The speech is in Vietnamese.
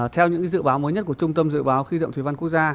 theo những dự báo mới nhất của trung tâm dự báo khí tượng thủy văn quốc gia